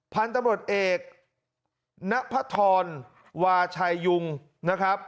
พันธุ์ตำรวจเอกณพธรวาชัยยุงนะครับ